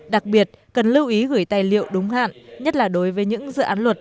đặc biệt cần lưu ý gửi tài liệu đúng hạn nhất là đối với những dự án luật